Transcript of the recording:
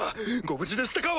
ご無事でしたか？